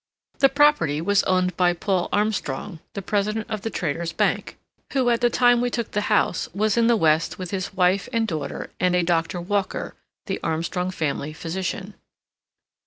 The property was owned by Paul Armstrong, the president of the Traders' Bank, who at the time we took the house was in the west with his wife and daughter, and a Doctor Walker, the Armstrong family physician.